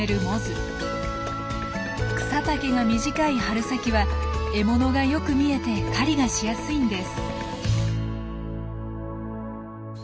草丈が短い春先は獲物がよく見えて狩りがしやすいんです。